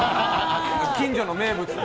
近所の名物の。